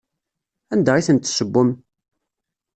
Anda i tent-tessewwem?